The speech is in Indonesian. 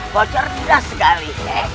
kau cerdik sekali